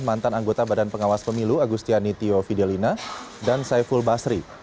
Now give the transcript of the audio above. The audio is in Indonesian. mantan anggota badan pengawas pemilu agustiani tio fidelina dan saiful basri